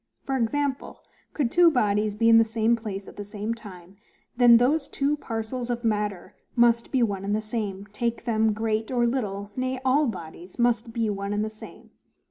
For example: could two bodies be in the same place at the same time; then those two parcels of matter must be one and the same, take them great or little; nay, all bodies must be one and the same.